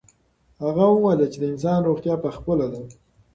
هغه وویل چې د انسان روغتیا په خپله ده.